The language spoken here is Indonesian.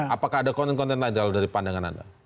apakah ada konten konten lain kalau dari pandangan anda